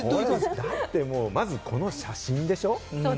だってまずこの写真でしょ？